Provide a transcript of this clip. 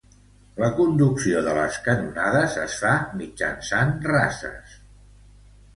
La conducció de les canonades es fa mitjançant rases.